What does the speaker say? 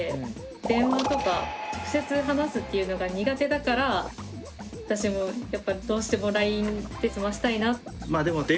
電話とか直接話すっていうのが苦手だから私もやっぱどうしてもＬＩＮＥで済ませたいな。